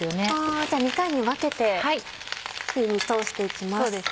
あぁじゃあ２回に分けて火に通して行きます。